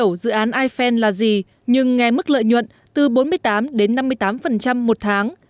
dù chưa hiểu dự án yfan là gì nhưng nghe mức lợi nhuận từ bốn mươi tám đến năm mươi tám một tháng